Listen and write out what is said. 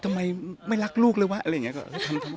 ทำไมไม่รักลูกเลยวะ